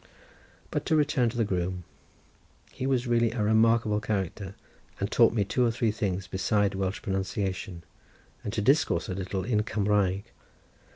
But to return to the groom. He was really a remarkable character, and taught me two or three things besides Welsh pronunciation; and to discourse a little in Cumraeg.